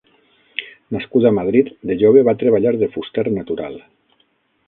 Nascut a Madrid, de jove va treballar de fuster natural.